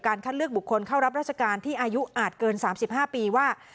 การคัดเลือกบุคคลเข้ารับราชการที่อายุอาจเกินสามสิบห้าปีว่า